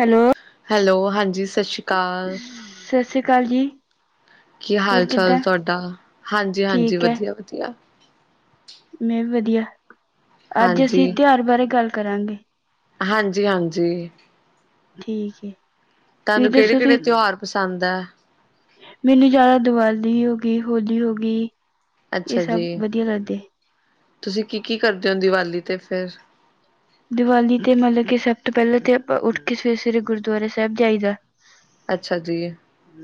Hello hello, ਹਾਂਜੀ। ਸਤਿ ਸ਼੍ਰੀ ਅਕਾਲ। ਸਤਿ ਸ੍ਰੀ ਅਕਾਲ ਜੀ। ਕੀ ਹਾਲ- ਹੋਰ ਚਾਲ ਕਿੱਦਾਂ ਤੁਹਾਡਾ? ਹਾਂਜੀ- ਹਾਂਜੀ। ਠੀਕ ਹੈ ਵਧੀਆ -ਵਧੀਆ। ਮੈਂ ਵੀ ਵਧੀਆ। ਅੱਜ ਅਸੀਂ ਹਾਂਜੀ ਤਿਉਹਾਰ ਬਾਰੇ ਗੱਲ ਕਰਾਂਗੇ। ਹਾਂਜੀ- ਹਾਂਜੀ। ਠੀਕ ਏ। ਤੁਹਾਨੂੰ ਕਿਹੜੇ- ਕਿਹੜੇ ਤਿਉਹਾਰ ਪਸੰਦ ਹੈ। ਮੈਨੂੰ ਜ਼ਿਆਦਾ ਦੀਵਾਲੀ ਹੋ ਗਈ, ਹੋਲੀ ਹੋ ਗਈ। ਇਹ ਅੱਛਾ ਜੀ। ਸਭ ਵਧੀਆ ਲੱਗਦੇ ਤੁਸੀਂ ਕੀ- ਕੀ ਕਰਦੇ ਹੋ ਦੀਵਾਲੀ ਤੇ ਫੇਰ? ਦੀਵਾਲੀ ਤੇ ਮਤਲਬ ਕਿ ਸਭ ਤੋਂ ਪਹਿਲਾਂ ਤੇ ਉੱਠ ਕੇ ਸਵੇਰੇ- ਸਵੇਰੇ ਗੁਰਦੁਆਰਾ ਸਾਹਿਬ ਜਾਈਦਾ। ਅੱਛਾ ਜੀ।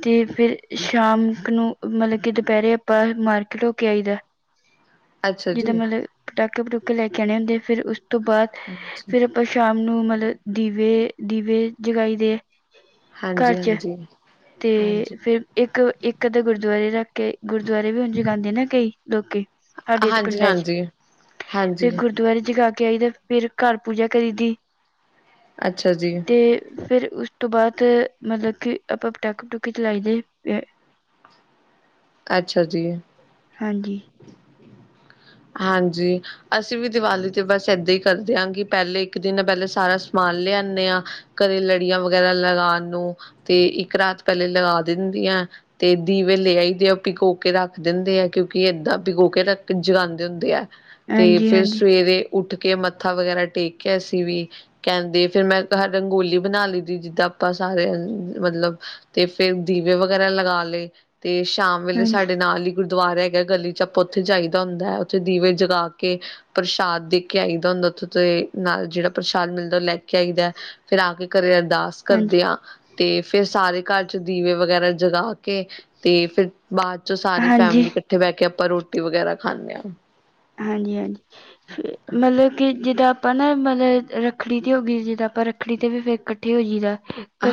ਤੇ ਫੇਿਰ ਸ਼ਾਮ ਨੂੰ ਮਤਲਬ ਕਿ ਦੁਪਹਿਰੇ ਆਪਾਂ ਮਾਰਕੀਟ ਹੋ ਕੇ ਆਈ ਦਾ ਅੱਛਾ ਜਿੱਦਾਂ ਜੀ ਮਤਲਬ ਪਟਾਕੇ ਪਟੂਕੇ ਲੈ ਕੇ ਆਉਣੇ ਹੁੰਦੇ ਆ ਫਿਰ ਉਸ ਤੋਂ ਬਾਅਦ ਹਾਂਜੀ ਫੇਿਰ ਆਪਾਂ ਸ਼ਾਮ ਨੂੰ ਮਤਲਬ ਦੀਵੇ ਦੀਵੇ ਜਗਾਈ ਦੇ ਘਰ ਹਾਂਜੀ- ਚ ਹਾਂਜੀ। ਤੇ ਹਾਂਜੀ ਫੇਰ ਇੱਕ -ਇੱਕ ਅੱਧਾ ਗੁਰਦੁਆਰੇ ਰੱਖ ਕੇ ਗੁਰਦੁਆਰੇ ਵੀ ਹੁਣ ਜਗਾਉਂਦੇ ਨਾ ਕਈ ਲੋਕੀ। ਸਾਡੇ ਇੱਥੇ ਹਾਂਜੀ- ਪਿੰਡਾਂ 'ਚ ਹਾਂਜੀ ਫਿਰ -ਹਾਂਜੀ। ਗੁਰਦੁਆਰੇ ਜਗਾ ਕੇ ਆਈ ਤੇ ਫਿਰ ਘਰ ਪੂਜਾ ਕਰੀ ਦੀ। ਅੱਛਾ ਜੀ ਤੇ ਫਿਰ ਉਸ ਤੋਂ ਬਾਅਦ ਮਤਲਬ ਕਿ ਆਪਾਂ ਪਟਾਕੇ- ਪਟੂਕੇ ਚਲਾਈ ਦੇ ਅੱਛਾ ਜੀ। ਹਾਂਜੀ। ਹਾਂਜੀ। ਅਸੀਂ ਵੀ ਦੀਵਾਲੀ ਤੇ ਬਸ ਇਏਦਾਂ ਹੀ ਕਰਦੇਿਆਂ ਹਾਂ ਕਿ ਪਹਿਲੇ ਇੱਕ ਦਿਨ ਪਹਿਲ ਲੇ ਸਾਰਾ ਸਮਾਨ ਲਿਆਦੇ ਹਾਂ। ਕਦੇ ਲੜੀਆਂ ਵਗੈਰਾ ਲਗਾਉਣ ਨੂੰ। ਤੇ ਇੱਕ ਰਾਤ ਪਹਿਲੇ ਲਗਾ ਦਿੰਦੀਆਂ। ਤੇ ਦੀਵੇ ਲੈ ਆਈ ਦੇ ਆ ਪਿਕੋ ਕੇ ਰੱਖ ਦਿੰਦੇ ਆ। ਕਿਉਂਕਿ ਏਦਾਂ ਪਿਕੋਕੇ ਰੱਖ ਜਗਾਦੇ ਹੁੰਦੇ ਆ। ਤੇ ਹਾਂਜੀ ਫੇਰ ਹਾਂਜੀ ਹਾਂਜੀ ਸਵੇਰੇ ਉੱਠ ਕੇ ਮੱਥਾ ਵਗੈਰਾ ਟੇਕ ਕੇ ਅਸੀਂ ਵੀ ਕਹਿੰਦੇ ਫਿਰ ਮੈਂ ਰੰਗੋਲੀ ਬਣਾ ਲਈਦੀ ਜਿੱਦਾਂ ਆਪਾਂ ਸਾਰੇਿਆਂ ਮਤਲਬ ਤੇ ਫੇਰ ਦੀਵੇ ਵਗੈਰਾ ਲਗਾ ਲਏ। ਤੇ ਸ਼ਾਮ ਵੇਲੇ ਹਾਂਜੀ ਸਾਡੇ ਨਾਲ ਹੀ ਗੁਰਦੁਆਰਾ ਹੈਗਾ ਗਲੀ ਚ' ਆਪਾਂ ਉੱਥੇ ਜਾਈਦਾ ਹੁੰਦਾ ਹੈ। ਉਥੇ ਦੀਵੇ ਜਗਾ ਕੇ ਪ੍ਰਸ਼ਾਦ ਦੇ ਕੇ ਆਈਦਾ ਹੁੰਦਾ। ਉੱਥੇ ਤੇ ਨਾਲ ਜਿਹੜਾ ਪ੍ਰਸ਼ਾਦ ਮਿਲਦਾ ਲੈ ਚਾਹਿਦਾ। ਫੇਰ ਆ ਕੇ ਘਰੇ ਅਰਦਾਸ ਹਾਂਜੀ ਕਰਦੇ ਆ। ਤੇ ਫੇਰ ਸਾਰੇ ਘਰ ਚ 'ਦੀਵੇ ਵਗੈਰਾ ਜਗਾ ਕੇ ਤੇ ਫਿਰ ਬਾਅਦ ਚੋਂ ਸਾਰੀ ਹਾਂਜੀ ਫੈਮਲੀ ਇਕੱਠੇ ਬਹਿ ਕੇ ਆਪਾਂ ਰੋਟੀ ਵਗੈਰਾ ਖਾਂਦੇ ਹਾਂ। ਹਾਂਜੀ- ਹਾਂਜੀ, ਹਾਂ ਮਤਲਬ ਕਿ ਜਿਦਾਂ ਆਪਾਂ ਨਾ ਮਤਲਬ ਰ ਰੱਖੜੀ ਦੀ ਹੋ ਗਈ। ਜੇ ਪਰ ਰੱਖੜੀ ਤੇ ਵੀ ਫੇਰ ਇਕੱਠੇ ਹੋਈਦਾ।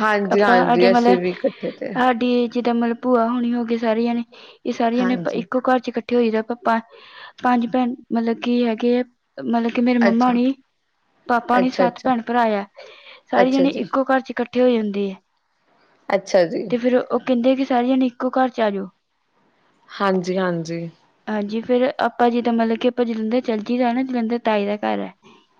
ਹਾਂਜੀ ਸਾਡੇ ਹਾਂਜੀ ਅਸੀਂ ਮਤਲਬ, ਵੀ ਇਕੱਠੇ ਤੇ ਸਾਡੀ ਜਿੱਦਾਂ ਮਤਲਬ ਭੂਆ ਹੋਣੀ ਹੋ ਗਈ ਸਾਰੀਆਂ ਜਾਣੇ। ਇਹ ਸਾਰੀਆਂ ਨੇ ਹਾਂਜੀ ਇੱਕੋ ਘਰ ਚ' ਇਕੱਠੇ ਹੋਈਦਾ ਪਾਪਾ ਪੰਜ ਭੈਣ ਮਤਲਬ ਕੀ ਹੈਗੇ ਹੈ। ਮਤਲਬ ਕਿ ਮੇਰੇ ਮੰਮਾ ਅੱਛਾ ਨੇ ਪਾਪਾ ਹੁਣੀ ਅੱਛਾ ਸੱਤ ਅੱਛਾ ਭੈਣ -ਭਰਾ ਹੈ। ਸਾਰੀ ਅੱਛਾ ਜਣੇ ਜੀ ਇੱਕੋ ਘਰ ਚ' ਇਕੱਠੇ ਹੋਈ ਜਾਂਹੁੰਦੇ ਹੈ। ਅੱਛਾ ਜੀ। ਕਹਿੰਦੇ ਕਿ ਸਾਰੀ ਜਾਣੇ ਇੱਕੋ ਘਰ ਚ' ਆ ਜਾਓ। ਹਾਂਜੀ- ਹਾਂਜੀ। ਹਾਂਜੀ, ਫੇਰ ਆਪਾਂ ਜਿੱਦਾਂ ਮਤਲਬ ਕਿ, ਆਪਾਂ ਜਲੰਧਰ ਚਲਜੀ ਦਾ ਨਾ, ਜਲੰਧਰ ਤਾਈ ਦਾ ਘਰ ਹੈ।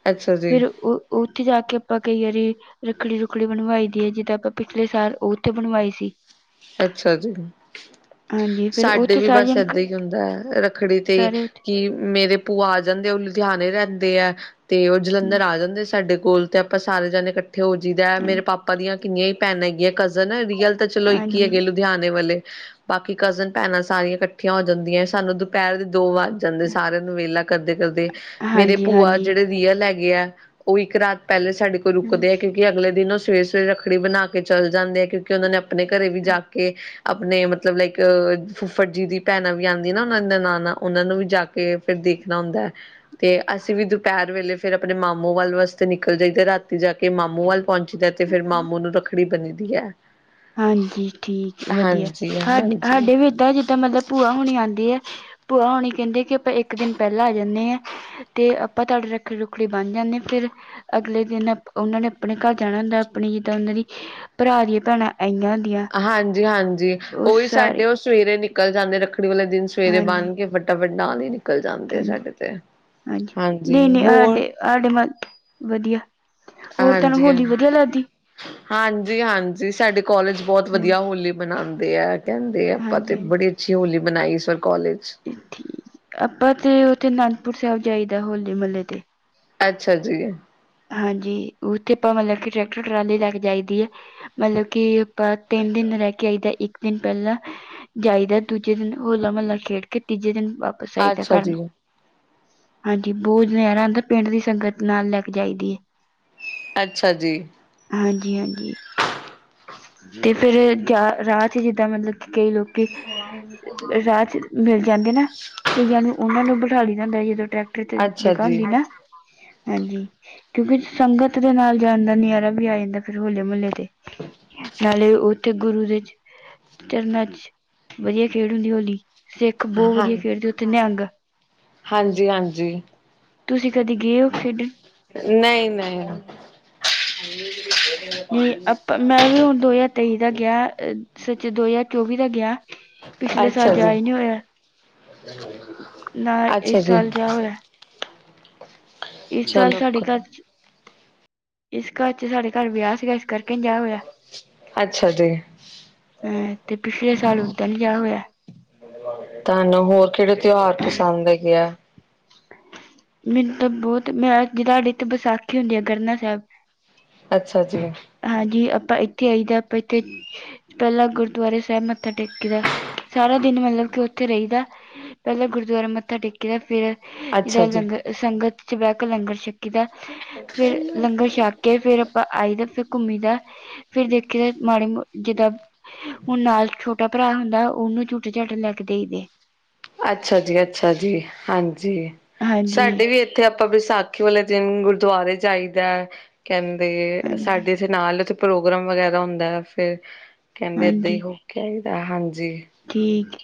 ਅੱਛਾ ਜੀ ਫੇਰ, ਉਹ ਉੱਥੇ ਜਾ ਕੇ ਆਪਾਂ ਕਈ ਵਾਰੀ ਰੱਖੜੀ ਰੁੱਖੜੀ ਬਣਵਾਈ ਦੀ ਹੈ। ਜਿੱਦਾਂ ਆਪਾਂ ਪਿਛਲੇ ਸਾਲ ਉੱਥੇ ਬਣਵਾਏ ਸੀ। ਅੱਛਾ ਜੀ। ਹਾਂਜੀ ਫਿਰ ਸਾਡੇ ਉੱਥੇ ਵੀ ਸਾਰੇ ਬਸ ਜਾਣੇ ਕ ਏਦਾਂ ਹੀ ਹੁੰਦੇ ਰੱਖੜੀ ਤੇ, ਸਾਰੇ ਉੱਥੇ ਕਿ ਮੇਰੇ ਭੂਆ ਆ ਜਾਂਦੇ। ਉਹ ਲੁਧਿਆਣੇ ਰਹਿੰਦੇ ਹੈ। ਤੇ ਉਹ ਜਲੰਧਰ ਆ ਜਾਂਦੇ ਸਾਡੇ ਕੋਲ ਤੇ ਆਪਾਂ ਸਾਰੇ ਜਣੇ ਇਕੱਠੇ ਹੋ ਜਈਦਾ। ਹਮ, ਮੇਰੇ ਹਾਂਜੀ ਪਾਪਾ ਪਾਪਾ ਦੀਆਂ ਕਿੰਨੀਆਂ ਹੀ ਭੈਣਾਂ ਹੈਗੀਆਂ, ਕਜ਼ਨ, ਰੀਅਲ ਤਾਂ ਚਲੋ ਇੱਕ ਹੀ ਹਾਂਜੀ ਹੈਗੇ। ਰਿਆਣੇ ਵਾਲੇ। ਬਾਕੀ ਕਜ਼ਨ ਭੈਣਾਂ ਸਾਰੀਆਂ ਇਕੱਠੀਆਂ ਹੋ, ਜਾਂਦੀਆਂ। ਸਾਨੂੰ ਦੁਪਹਿਰ ਦੇ ਦੋ ਵੱਜ ਜਾਂਦੇ ਸਾਰਿਆਂ ਨੂੰ ਵਿਹਲਾ ਕਰਦੇ- ਕਰਦੇ। ਮੇਰੇ ਭੂਆ ਹਾਂਜੀ-ਹਾਂਜੀ, ਜਿਹੜੇ ਰੀਅਲ ਲੈਗੇ ਆ। ਉਹ, ਇੱਕ ਰਾਤ ਪਹਿਲੇ ਸਾਡੇ ਕੋਲ ਰੁਕਦੇ ਹਾਂਜੀ ਆ। ਕਿਉਂਕਿ ਕਿ ਅਗਲੇ ਦਿਨ ਉਹ ਸਵੇਰੇ -ਸਵੇਰੇ ਰੱਖੜੀ ਬਣਾ ਕੇ ਚਲ ਜਾਂਦੇ ਆ। ਕਿਉਂਕਿ ਉਹਨਾਂ ਨੇ ਆਪਣੇ ਘਰੇ ਵੀ ਜਾ ਕੇ ਆਪਣੇ ਮਤਲਬ ਲਾਈਕ, ਫੁੱਫਰ ਜੀ ਦੀ ਭੈਣਾਂ ਵੀ ਆਉਂਦੀ ਨਾ ਉਹਨਾਂ ਨ ਨਾਨਾਂ ਉਹਨਾਂ ਨੂੰ ਵੀ ਜਾ ਕੇ ਕੇ ਫਿਰ ਦੇਖਣਾ ਹੁੰਦਾ ਹੈ। ਤੇ ਅਸੀਂ ਵੀ ਦੁਪਹਿਰ ਵੇਲੇ ਫੇਰ ਆਪਣੇ ਮਾਮੂ ਵੱਲ ਵਾਸਤੇ ਨਿਕਲ ਜਾਈ ਤੇ, ਰਾਤੀ ਜਾ ਕੇ ਕੇ ਮਾਮੂ ਵੱਲ ਪਹੁੰਚਦਾ ਤੇ, ਫਿਰ ਮਾਮੂ ਨੂੰ ਰੱਖੜੀ ਬੰਨਦੀ ਹੈ। ਹਾਂਜੀ, ਠੀਕ, ਵਧੀਆ। ਹਾਂਜੀ ਹਾਂਜੀ ਸਾਡੇ ਦਾਂ ਜਿੱਦਾਂ ਮਤਲਬ ਭੂਆ ਹੋਣੀ ਆਉਂਦੀ ਐ, ਭੂਆ ਹੋਣੀ ਕਹਿੰਦੇ ਕਿ ਆਪਾਂ ਇੱਕ ਦਿਨ ਪਹਿਲਾਂ ਆ ਜਾਂਦੇ ਆ। ਤੇ ਆਪਾਂ ਤੁਹਾਡੇ ਰੱਖੜੀ ਰੁੱਖੜੀ ਬਣ ਜਾਂਨੇ। ਫਿਰ ਅਗਲੇ ਦਿਨ ਆ ਉਹਨਾਂ ਨੇ ਆਪਣੇ ਘਰ ਜਾਣਾ ਹੁੰਦਾ, ਆਪਣੀ ਜਿੱਦਾਂ ਉਹਨਾਂ ਦੀ ਭਰਾ ਦੀਆਂ ਭੈਣਾਂ ਆਈਆਂ ਹੁੰਦੀਆਂ ਹਾਂਜੀ- ਹਾਂਜੀ, ਉਹ ਉਹੀ ਸਾਡੇ ਸਾਰੇ ਉਹ ਸਵੇਰੇ ਨਿਕਲ ਜਾਂਦੇ ਰੱਖੜੀ ਵਾਲੇ ਦਿਨ ਸਵੇਰੇ ਹਾਂਜੀ, ਬੰਨ੍ਹ ਕੇ ਫ ਨਾਲ ਹੀ ਨਿਕਲ ਜਾਂਦੇ, ਹਾਂਜੀ, ਸਾਡੇ ਤੇ, ਹਾਂਜੀ ਹੋਰ? ਸਾਡੇ ਮਲ ਵਧੀਆੱ। ਹਾਂਜੀ ਹਾਂ, ਹਾਂਜੀ- ਹਾਂਜੀ, ਸਾਡੇ ਕੋਲਾਜ ਬਹੁਤ ਹਾਂਜੀ, ਵਧੀਆ ਹੋਲੀ। ਮਨਾਉਂਦੇ ਆ, ਕਹਿੰਦੇ ਆ ਆਪਾਂ ਤੇ ਹਾਂਜੀ, ਹਾਂਜੀ ਬੜੀ ਅੱਛੀ, ਹੋਲੀ ਮਨਾਈ ਇਸ ਵਾਰ ਕੋਲਾਜ ਚ। ਠੀਕ ਆ, ਆਪਾਂ ਤੇ ਉੱਥੇ, ਅਨੰਦਪੁਰ ਸਾਹਿਬ ਜਾਈਦਾ। ਹੋਲੇ ਮਹੱਲੇ ਤੇ। ਅੱਛਾ ਜੀ। ਹਾਂਜੀ, ਉੱਥੇ ਆਪਾਂ ਮਤਲਬ ਕਿ, ਟਰੈਕਟਰ, ਟਰਾਲੀ ਲੈ ਕੇ ਜਾਈਦੀ ਐ, ਮਤਲਬ ਕਿ ਆਪਾਂ ਤਿੰਨ ਦਿਨ, ਰਹਿ ਕੇ ਆਈਦਾ। ਇੱਕ, ਦਿਨ ਪਹਿਲਾਂ ਜਾਈਦਾ, ਦੂਜੇ ਦਿਨ ਹੋਲਾ ਮਹੱਲਾ ਖੇਡ ਕੇ, ਤੀਜੇ ਦਿਨ ਵਾ ਪਸ ਆਈ ਦਾ ਅੱਛਾ ਘਰ ਜੀ, ਨੂੰ। ਹਾਂਜੀ ਬੋਤ ਨਜ਼ਾਰਾ ਆਦਾ ਪਿੰਡ ਦੀ, ਸੰਗਤ ਨਾਲ ਲੈ ਕੇ ਜਾਈ ਦੀ ਐ। ਅੱਛਾ ਜੀ। ਹਾਂਜੀ- ਹਾਂਜੀ। ਤੇ ਫੇਰ ਜਾ ਰਾਤ, ਹੀ ਜਿੱਦਾਂ ਮਤਲਬ ਕਿ, ਕਈ ਲੋਕੀ ਰਾਹ ਚ ਮਿਲ ਜਾਂਦੇ ਨਾ, ਕਈਆਂ ਨੂੰ ਉਹਨਾਂ ਨੂੰ, ਬਿਠਾ ਲਈ ਦਾ ਹੁੰਦਾ ਹੀ, ਜਦੋਂ ਟਰੈਕਟਰ ਉਥੇ ਤੇ ਅੱਛਾ ਜਗਾ ਹੁੰਦੀ ਜੀ, ਨਾ। ਹਾਂਜੀ, ਕਿਉਂਕਿ ਸੰਗਤ ਦੇ ਨਾਲ, ਜਾਣ ਦਾ ਨਜ਼ਾਰਾ ਵੀ ਆ ਜਾਂਦਾ। ਫਿਰ ਹੋਲੇ ਮੁਹੱਲੇ ਤੇ। ਨਾਲੇ ਉੱਥੇ, ਗੁਰੂ ਦੇ ਚਰਨਾਂ ਚ, ਵਧੀਆ ਖੇਡ ਹੁੰਦੀ ਐ ਹੋਲੀ। ਸਿੱਖ ਬਹੁਤ ਵਧੀਆ, ਖੇਡਦੇ ਉੱਥੇ ਨਿਹੰਗ। ਹਾਂਜੀ- ਹਾਂਜੀ। ਤੁਸੀਂ ਕਦੇ, ਗਏ ਹੋ ਖੇਡਣ? ਨਹੀਂ- ਨਹੀਂ। ਨਹੀਂ ਆਪਾਂ, ਮੈਂ ਵੀ ਹੁਣ, ਦੋ ਹਜ਼ਾਰ ਤੇਈ ਦਾ ਗਿਆ, ਸੱਚ ਦੋ ਹਜ਼ਾਰ ਚੌਵੀ ਦਾ ਗਿਆ। ਪਿੱਛਲੇ ਸਾਲ, ਅੱਛਾ ਜਾ ਜੀ, ਹੀ ਨਹੀਂ ਹੋਇਆਂ, ਨਾ ਅੱਛਾ ਇਸ ਜੀ, ਸਾਲ ਜਾ ਹੋਇਆ। ਇਸ ਸਾਲ, ਚਲੋ ਸਾਡੇ ਘਰ ਚ, ਇਸ ਘਰ, ਚ ਸਾਡੇ ਘਰ ਵਿਆਹ ਸੀਗਾ, ਇਸ ਕਰਕੇੰ ਨੀ ਜਾ ਹੋਇਆਂ। ਅੱਛਾ ਜੀ। ਹੂੰ, ਤੇ ਪਿਛਲੇ ਸਾਲ ਉੱਦਾਂ, ਨੀ ਜਾ ਹੋਇਆਂ। ਤੁਹਾਨੂੰ ਹੋਰ, ਕਿਹੜੇ ਤਿਉਹਾਰ ਪਸੰਦ ਹੈਗੇ ਆ? ਮੈਨੂੰ ਤਾਂ ਬਹੁਤ, ਮੈਂ ਜ ਤੁ ਸਾਡੇ ਇਥੇ, ਵਿਸਾਖੀ ਹੁੰਦੀ ਆ ਗਰਨਾ ਸਾਹਿਬ। ਅੱਛਾ ਜੀ। ਹਾਂਜੀ, ਆਪਾਂ ਇੱਥੇ ਆਈ ਦਾ ਆਪਾਂ, ਇੱਥੇ ਪਹਿਲਾਂ ਗੁਰਦੁਆਰੇ ਸਾਹਿਬ ਮੱ ਥਾ ਟੇਕੀ ਦਾ, ਸਾਰਾ ਦਿਨ ਮਤਲਬ, ਕਿ ਉੱਥੇ ਰਈਦਾ। ਪਹਿਲਾਂ ਗੁਰਦੁਆਰਾ ਮੱਥਾ ਟੇਕੀਦਾ ਫੇਰ ਅੱਛਾ ਇਹਦਾ ਜੀ। ਲੰਗਰ, ਸੰਗਤ ਚ ਬਹਿ ਕੇ ਲੰਗਰ ਚ ਛ ਕੀ ਦਾ, ਫੇਰ ਲੰਗਰ ਛੱਕ ਕੇ, ਫੇਰ ਆਪਾਂ ਆਈ ਦਾ, ਫੇ ਘੁੰਮੀ ਦਾ, ਫੇਰ ਦੇਖੀ ਦਾ ਮਾੜੇ, ਜਿੱਦਾਂ ਹੁਣ ਨਾਲ ਛੋਟ ਟਾ ਭਰਾ ਹੁੰਦਾ, ਉਹਨੂੰ ਝੁਟੇ- ਝਾਟ ਲੈ ਕੇ ਦੇਈਦੇ। ਅੱਛਾ ਜੀ, ਅੱਛਾ ਜੀ। ਹਾਂਜੀ, ਹਾਂਜੀ ਸਾਡੇ ਵੀ ਇ ਥੇ ਆਪਾਂ, ਵਿਸਾਖੀ ਵਾਲੇ ਦਿਨ, ਗੁਰਦੁਆਰੇ ਜਾਈਦਾ, ਕਹਿੰਦੇ ਹਾਂਜੀ ਸਾਡੇ ਇਂ ਨਾਲ ਉਥੇ, ਪ੍ਰੋਗਰਾਮ ਵਗੈਰਾ ਹੁੰਦਾ, ਫੇਰ ਕਹਿੰਦੇ ਏਦਾਂ ਹੀ, ਹਾਂਜੀ ਹੋ ਕੇ ਆਈ ਦਾ ਹਾਂਜੀ। ਠੀਕ ਐ,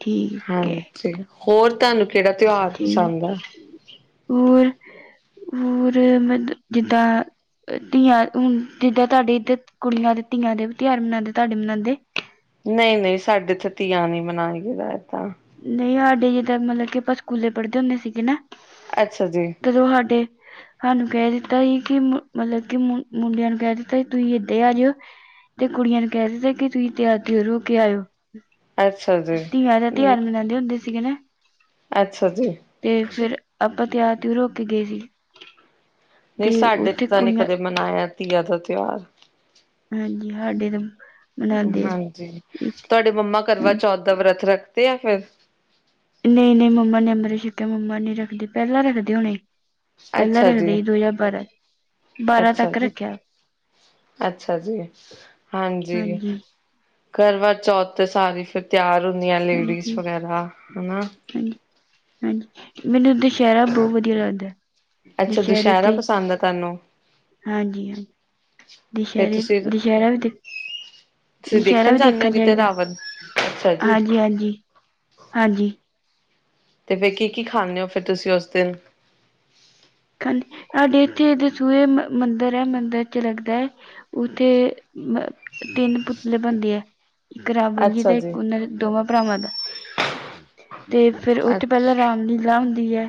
ਠੀ ਹਾਂਜੀ, ਹੋਰ ਤੁਹਾਨੂੰ ਕਿਹੜਾ ਤਿਉਹਾਰ ਠੀ ਪਸੰਦ ਆ ਹੋਰ ਹੋਰ ਮੈ ਤ ਜਿੱਦਾਂ ਧੀਆਂ ਹੁਣ ਜਿੱਦਾਂ, ਤੁਹਾਡੇ ਇੱਧਰ ਕੁੜੀਆਂ ਦੇ, ਧੀਆਂ ਦੇ ਤਿਉਹਾਰ ਮਨਾਉਂਦੇ, ਤੁਹਾਡੇ ਮਨਾਉਂਦੇ? ਨਹੀਂ- ਨਹੀਂ, ਸਾਡੇ ਇਥੇ ਤੀਆਂ, ਨਹੀਂ ਮਨਾਇਦਾ, ਇਤਾ। ਨੀ ਹਾਡੇ ਜਿੱਦਾਂ, ਮਤਲਬ ਕਿ ਆਪਾਂ ਸਕੂਲੇ ਪੜਦੇ, ਹੁੰਦੇ ਸੀਗੇ ਨਾ। ਅੱਛਾ ਜੀ! ਜਦੋਂ ਸਾਡੇ। ਸਾਨੂੰ ਕਹਿ ਦਿੱਤਾ ਸੀ। ਕਿ ਮਤਲਬ ਕਿ ਮੁੰਡਿਆਂ ਨੂੰ ਕਹਿ ਦਿੱਤਾ ਸੀ। ਤੁਸੀਂ ਏਦਾ ਆ ਜਿਓ। ਤੇ ਕੁੜੀਆਂ ਨੂੰ, ਕਹਿ ਦਿੱਤਾ ਕਿ ਤੁਸੀਂ ਤਿਆਰ- ਤਿੳਰ ਹੋ ਕੇ ਆਇਓ। ਅੱਛਾ ਜੀ, ਹੂ ਜਾਂਦੇ ਹੁੰਦੇ ਸੀਗੇ ਨਾ। ਅੱਛਾ ਜੀ! ਤੇ ਫਿਰ, ਆਪਾਂ ਤਿਆਰ ਤਿਆਰ- ਤਿੳਰ ਹੋ ਕੇ ਗਏ ਸੀ। ਨਹੀਂ ਤੇ ਸਾਡੇ ਤੇ ਉੱਥੇ ਤਾਂ ਨਹੀਂ ਕੁੜੀਆਂ ਕਦੇ ਮਨਾਇਆ, ਤੀਆਂ ਦਾ ਤਿਉਹਾਰ। ਹਾਂਜੀ ਸਾਡੇ ਤਾਂ ਮਨਾਉਂਦੇ ਆ ਹਾਂਜੀ, ਇੱਥੇ ਤੁਹਾਡੇ ਮੰਮਾ ਕਰਵਾ- ਹਾਂਜੀ। ਚੌਥ ਦਾ, ਵਰਤ ਰੱਖਦੇ ਆ ਫਿਰ? ਨਹੀਂ -ਨਹੀਂ ਮੰਮਾ ਨੇ ਅੰਮਿ੍ਤ ਛਕਿਆ, ਮੰਮਾ ਨੀ ਰੱਖਦੇ, ਪਹਿਲਾਂ ਰੱਖਦੇ ਹੋਣੇ। ਪਹਿਲਾਂ ਅੱਛਾ ਜੀ ਰੱਖਦੇ ਸੀ, ਦੋ ਹਜਾ਼ਰ ਬਾਰਾਂ ਚ। ਅੱਛਾ ਜੀ, ਅੱਛਾ ਜੀ ਹਾਂਜੀ! ਕਰਵਾ- ਚੌਥ ਤੇ ਸਾਰੀ ਫਿਰ ਤਿਆਰ ਹੁੰਦੀਆਂ, ਲੇਡੀਜ਼ ਹਾਂਜੀ ਵਗੈਰਾ ਹੈਨਾ। ਹਾਂਜੀ- ਹਾਂਜੀ, ਮੈਨੂੰ ਉਧਰ ਸ਼ਹਿਰਾ ਬਹੁਤ ਵਧੀਆ ਲੱਗਦਾ। ਅੱਛਾ ਦੁਸ਼ਹਿਰੇ ਦੁਸਹਿਰਾ ਤੇ, ਪਸੰਦ ਆ ਤੁਹਾਨੂੰ ਹਾਂਜੀ -ਹਾਂਜੀ ਹਾਂ ਫੇਰ ਦੁਸਹਿਰੇ- ਤੁਸੀਂ ਦੁਸਹਿਰਾ ਵੀ ਤੇ ਤੁਸੀਂ ਦੁਸਹਿਰਾ ਵੀ ਜਾਂਦੇ ਹੋ ਦੇਖਣ ਕਿਤੇ ਜਾਇਦਾ, ਰਾਵਣ ਅੱਛਾ ਜੀ ਹਾਂਜੀ -ਹਾਂਜੀ- ਹਾਂਜੀ ਤੇ ਫਿਰ ਕੀ ਕੀ ਖਾਂਦੇ ਹੋ, ਫਿਰ ਤੁਸੀਂ ਉਸ ਦਿਨ? ਜੀ, ਸਾਡੇ ਇੱਥੇ ਸੂਹੇ ਮੰਦਿਰ ਹੈ, ਮੰਦਿਰ ਚ ਲੱਗਦਾ ਏ। ਉੱਥੇ ਅ, ਤਿੰਨ ਪੁਤਲੇ ਬਣਦੇ ਐ। ਇੱਕ ਰਾਵਣ ਜੀ, ਤੇ ਇੱਕ ਉਹਨਾਂ ਦੋਵਾਂ ਭਰਾਵਾਂ ਦਾ। ਤੇ ਫੇਰ, ਉਹ ਤੋਂ ਅੱ ਪਹਿਲਾਂ ਰਾਮ ਲੀਲਾ ਹੁੰਦੀ ਏ।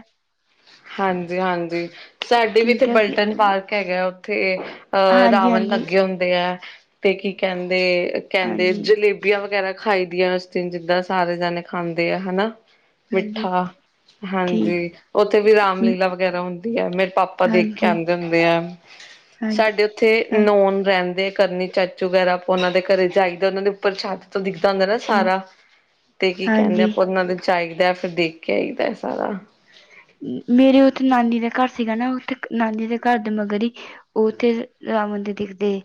ਹਾਂਜੀ -ਹਾਂਜੀ, ਸਾਡੇ ਵੀ ਇੱਥੇ ਠੀਕ ਹੈ ਬਲਟਨ ਫਿਰ- ਪਾਰਕ ਹੈਗਾ ਉੱਥੇ ਅਹ ਹਾਂਜੀ ਰਾਵਣ ਹਾਂਜੀ ਲੱਗੇ ਹੁੰਦੇ ਹੈ, ਤੇ ਕੀ ਕਹਿੰਦੇ- ਕਹਿੰਦੇ ਹਾਂਜੀ ਜਲੇਬੀ ਬੀਆਂ ਵਗੈਰਾ ਖਾਈ ਦੀਆਂ, ਉਸ ਦਿਨ, ਜਿੱਦਾਂ ਸਾਰੇ ਜਾਣੇ ਖਾਂਦੇ ਆ ਹੈਨਾ। ਹਾਂਜੀ ਮਿੱਠਾ ਠੀਕ ਹਾਂਜੀ, ਉੱਥੇ ਵੀ ਰਾਮ ਲੀਲਾ ਵਗੈਰਾ ਹੁੰਦੀ ਹੈ, ਮੇਰੇ ਪਾਪਾ ਦੇਖ ਕੇ ਹਾਂਜੀ ਆਉਂਦੇ ਹੁੰਦੇ ਐ। ਹਾਂਜੀ ਸਾਡੇ ਉੱਥੇ ਨੌ ਹਾਂਜੀ ਹੁਣ ਰਹਿੰਦੇ ਆ ਕਰਨੀ ਚਾਚੂ ਵਗੈਰਾ, ਆਪਾਂ ਉਹਨਾਂ ਦੇ ਘਰੇ ਜਾਈਦਾ, ਉਹਨਾਂ ਦੇ ਉੱਪਰ ਛੱਡ ਔ ਥੋ ਦਿਖਦਾ ਹੁੰਦਾ ਨਾ ਸਾਰਾ, ਹਾਂਜੀ ਤੇ ਕੀ ਕਹਿੰਦੇ ਹਾਂਜੀ ਆਪਾਂ ਉਹਨਾਂ ਦੇ ਜਾਇਦਾ, ਫਿਰ ਦੇਖ ਕੇ ਆਈਦਾ ਹੈ ਸਾਰਾ। ਮੇਰੇ ਉੱਥੇ ਨਾਨੀ ਦਾ ਘਰ ਸੀਗਾ ਨਾ, ਉੱਥੇ ਨਾਨੀ ਦੇ ਘਰ ਦੇ ਮਗਰ ਹੀ ਉਹ ਉੱਥੇ, ਰਾਵਣ ਦੇ ਦਿਖਦੇ।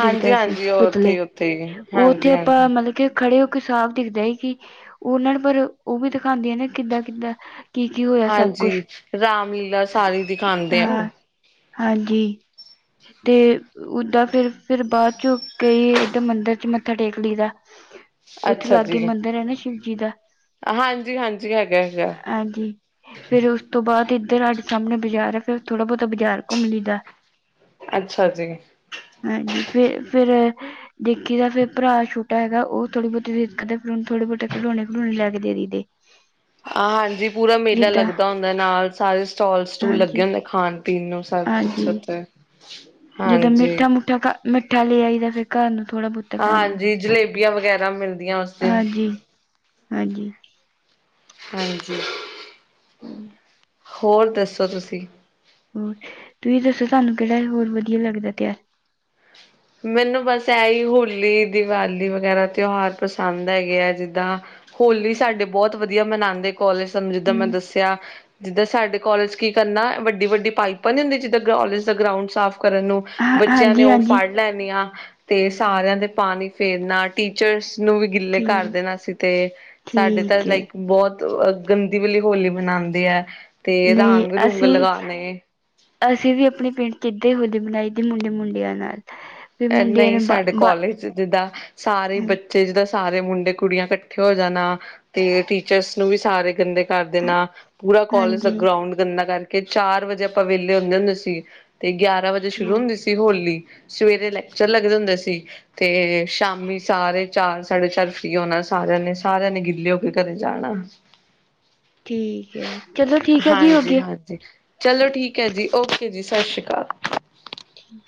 ਦਿਖਦਾ ਸੀ ਉਹ ਉੱਥੇ ਪੁਤਲੇ, ਹੀ ਉੱਥੇ ਹੀ ਉਹ ਉੱਥੇ ਆਪਾਂ, ਹਾਂਜੀ-ਹਾਂਜੀ। ਮਤਲਬ ਕਿ, ਖੜੇ ਹੋ ਕੇ, ਸਾਫ਼ ਦਿਖਦਾ ਹੈ ਕਿ, ਉਹਨਾਂ ਨੂੰ ਪਰ ਉਹ ਵੀ ਦਿਖਾਉਂਦੇ ਆਂ ਨੇ, ਕਿੱਦਾਂ -ਕਿੱਦਾਂ ਕੀ ਕੀ ਹੋ। ਹਾਂਜੀ, ਰਾਮ ਲੀਲਾ ਸਾਰੀ ਦਿਖਾਉਂਦੇ ਐ, ਉਹ। ਹਾਂ ਹਾਂਜੀ, ਤੇ ਓਦਾਂ ਫਿਰ, ਫਿਰ ਬਾਅਦ ਚੋਂ ਕਈ ਏਧਰ ਮੰਦਿਰ ਚ ਮੱਥਾ ਟੇਕ ਲਈਦਾ। ਉੱਥੇ ਅੱਛਾ ਲਾਗੇ ਜੀ, ਮੰਦਿਰ ਹੈ ਨਾ ਸ਼ਿਵ ਜੀ ਦਾ ਹਾਂਜੀ- ਹਾਂਜੀ ਹੈਗਾ- ਹੈਗਾ ਹਾਂਜੀ [inaudible] ਫਿਰ ਉਸ ਤੋਂ ਬਾਅਦ ਇੱਧਰ ਸਾਡੇ ਸਾਹਮਣੇ ਬਾਜ਼ਾਰ ਹੈ, ਫੇਰ ਥੋੜਾ ਬਹੁਤਾ ਬਾਜ਼ਾਰ ਘੁੰਮ ਲਈਦਾ। ਅੱਛਾ ਜੀ! ਹਾਂਜੀ ਫੇਰ, ਫਿਰ ਦੇਖੀਦਾ ਫਿਰ ਭਰਾ ਛੋਟਾ ਹੈਗਾ, ਉਹ ਥੋੜੀ ਬਹੁਤੀ ਦੇਖਦਾ, ਫਿਰ ਉਹਨੂੰ ਥੋੜੇ ਬਹੁਤੇ ਖਡੋਣੇ ਖਡੋਣੇ ਲੈ ਕੇ ਦੇ ਦੇਈ ਦੇ। ਹਾਂ ਹਾਂਜੀ ਪੂਰਾ ਮੇਲਾ ਲੱਗਦਾ ਹੁੰਦਾ, ਨਾਲ ਸਾਰੇ ਸਟਾਲ- ਸਟੂਲ ਹਾਂਜੀ ਲੱਗੇ ਹੁੰਦੇ, ਖਾਣ ਪੀਣ ਨੂੰ ਸਭ ਕੁਛ ਉੱਥੇ। ਜਦੋਂ ਹਾਂਜੀ। ਮਿੱਠਾ -ਮੁੱਠਾ ਮਿੱਠਾ ਲੈ ਆਈ ਦਾ ਫਿਰ ਘਰ ਨੂੰ ਥੋੜਾ ਬਹੁਤ। ਹਾਂਜੀ, ਜਲੇਬੀਆਂ ਵਗੈਰਾ ਮਿਲਦੀਆਂ ਉਸ ਦਿਨ, ਹਾਂਜੀ ਹਾਂਜੀ। ਹਾਂਜੀ। ਹੂ ਹੋਰ ਦੱਸੋ ਤੁਸੀਂ ਹੋਰ ਤੁਸੀਂ ਦੱਸੋ ਸਾਨੂੰ ਕਿਹੜਾ ਹੋਰ ਵਧੀਆ ਲੱਗਦਾ ਪਿਆ ਮੈਨੂੰ ਬਸ ਇਹੀ ਹੋਲੀ ਦੀਵਾਲੀ ਵਗੈਰਾ ਤਿਉਹਾਰ ਪਸੰਦ ਹੈਗੇ ਆ ਜਿੱਦਾਂ ਹੋਲੀ ਸਾਡੇ ਬਹੁਤ ਵਧੀਆ ਮਨਾਉਂਦੇ ਕੋਲਜ ਸਮਝ ਸਾਨੂੰ ਜਿੱਦਾਂ ਮੈਂ ਹਮ ਦੱਸਿਆ ਜਿੱਦਾਂ ਸਾਡੇ ਕਾਲਜ ਕੀ ਕਰਨਾ ਵੱਡੀ-ਵੱਡੀ ਪਾਈਪਾਂ ਨੀ ਹੁੰਦੀ ਜਿੱਦਾਂ ਕਾਲਜ ਦਾ ਗਰਾਊਂਡ ਸਾਫ਼ ਕਰਨ ਨੂੰ ਹਾਂ ਬੱਚਿਆਂ ਨੇ ਹਾਂਜੀ ਉਹ ਹਾਂਜੀ ਫੜ ਲੈਣੇ ਆ ਤੇ ਸਾਰਿਆਂ ਦੇ ਪਾਣੀ ਫੇਰਨਾ ਟੀਚਰਸ ਨੂੰ ਵੀ ਗਿੱਲੇ ਕਰ ਠੀਕ ਦੇਣਾ ਸੀ ਤੇ ਸਾਡੇ ਤਾਂ ਠੀਕ ਹੈ ਲਾਇਕ ਬਹੁਤ ਗੰਦੀ ਵਾਲੀ ਹੋਲੀ ਮਨਾਉਂਦੇ ਹੈ। ਤੇ ਨਹੀਂ ਰੰਗ ਰੂੰਗ ਅਸੀਂ ਲਗਾਣੇ ਅਸੀਂ ਵੀ ਆਪਣੇ ਪਿੰਡ ਇਦਾਂ ਹੌਲੀ ਮਣਾਈ ਦੀ ਮੁੰਡੇ ਮੁੰਡਿਆਂ ਨਾਲ ਫਿਰ ਮੁੰਡਿਆਂ ਨਹੀਂ ਨੇ ਬਾ ਸਾਡੇ ਬਾ ਕੋਲਜ ਜਿੱਦਾਂ ਸਾਰੇ ਹਾਂ- ਬੱਚ ਬੱਚੇ ਜਿੱਦਾਂ ਸਾਰੇ ਮੁੰਡੇ ਕੁੜੀਆਂ ਇਕੱਠੇ ਹੋ ਜਾਣਾ ਤੇ ਟੀਚਰਸ ਨੂੰ ਵੀ ਸਾਰੇ ਗੰਦੇ ਕਰ ਹਾਂ- ਦੇਣਾ ਪੂਰਾ ਕੋਲਜ ਦਾ ਹਾਂਜੀ ਗਰਾਉਂਡ ਗੰਨਾ ਕਰਕੇ ਚਾਰ ਵਜੇ ਆਪਾਂ ਵਿਹਲੇ ਹੁੰਦੇ ਹੁੰਦੇ ਸੀ ਤੇ ਗਿਆਰਾਂ ਵਜੇ ਸ਼ੁਰੂ ਠੀਕ ਹੁੰਦੇ ਸੀ। ਤੇ ਹੋਲੀ ਸਵੇਰੇ ਲੈਕਚਰ ਲੱਗਦੇ ਹੁੰਦੇ ਸੀ। ਤੇ ਸ਼ਾਮੀ ਸਾਰੇ ਚਾਰ ਸਾਢੇ ਚਾਰ ਫ੍ਰੀ ਹੋਣਾ ਸਾਰਿਆਂ ਨੇ ਸਾਰਿਆਂ ਨੇ ਗਿੱਲੇ ਹੋ ਕੇ ਘਰੇ ਜਾਣਾ ਠੀਕ ਹੈ ਜੀ ਚਲੋ ਠੀਕ ਹੈ ਜੀ ਹੋ ਹਾਂਜੀ ਗਿਆ। ਹਾਂਜੀ ਚਲੋ ਠੀਕ ਹੈ ਜੀ ਓਕੇ ਜੀ ਸਤਿ ਸ਼੍ਰੀ ਅਕਾਲ। ਹੂ।